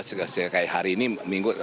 sejak hari ini minggu